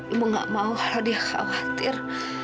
ibu gak mau kalau dia khawatir